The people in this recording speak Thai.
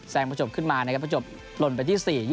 แสงประจบขึ้นมาประจบล่นไปที่๔